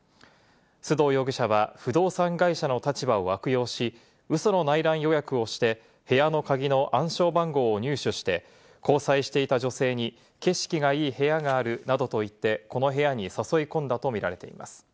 須藤容疑者は不動産会社の立場を悪用し、ウソの内覧予約をして部屋の鍵の暗証番号を入手して交際していた女性に景色がいい部屋があるなどと言って、この部屋に誘い込んだとみられています。